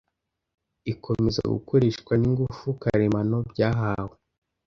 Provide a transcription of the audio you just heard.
ikomeza gukoreshwa n’ingufu karemano byahawe